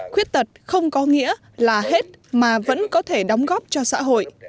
khuyết tật không có nghĩa là hết mà vẫn có thể đóng góp cho xã hội